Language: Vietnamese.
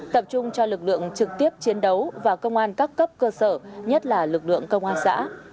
tập trung cho lực lượng trực tiếp chiến đấu và công an các cấp cơ sở nhất là lực lượng công an xã